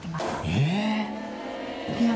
え！